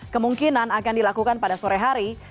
kemungkinan akan dilakukan pada sore hari